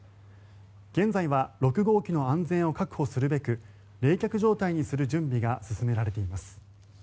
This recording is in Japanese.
現在は６号機の安全を確保するべく冷却状態にする準備が進められています。